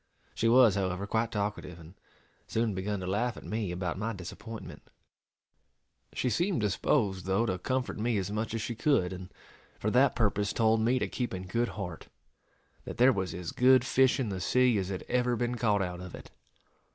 She was, however, quite talkative, and soon begun to laugh at me about my disappointment. She seemed disposed, though, to comfort me as much as she could; and, for that purpose, told me to keep in good heart, that "there was as good fish in the sea as had ever been caught out of it."